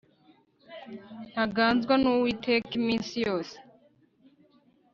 ntangazwa n'uwiteka iminsi yose